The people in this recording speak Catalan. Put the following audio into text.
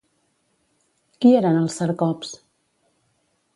Qui eren els Cercops?